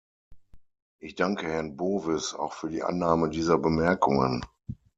Ich danke Herrn Bowis auch für die Annahme dieser Bemerkungen.